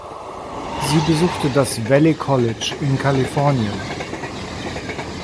Sie besuchte das "Valley College" in Kalifornien.